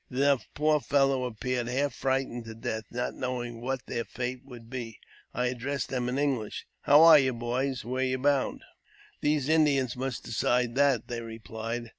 The poor fellows appeared half frightened to death, not knowing what their fate would be. I addressed them in English. " How are you, boys ? Where are you bound ?"These Indians must decide that," they replied.